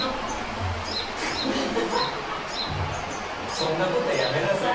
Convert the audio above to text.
そんなことやめなさい。